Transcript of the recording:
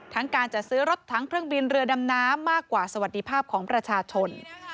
การจัดซื้อรถทั้งเครื่องบินเรือดำน้ำมากกว่าสวัสดีภาพของประชาชน